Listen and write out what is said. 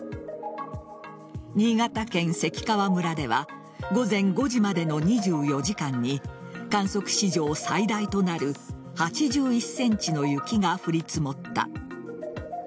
新潟県関川村では午前５時までの２４時間に観測史上最大となる８１ｃｍの雪が降り積もった。